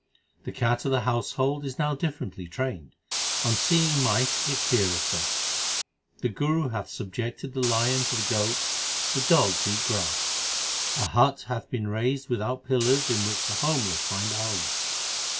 The cat 3 of the household 4 is now differently trained ; on seeing mice 5 it feareth them. The Guru hath subjected the lion 6 to the goat 7 ; the dogs 8 eat grass ; 9 A hut 10 hath been raised without pillars in which the homeless find a home.